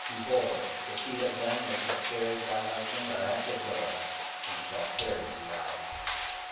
behold, the feet of them which have buried thy husband are at the door, and shall carry thee out.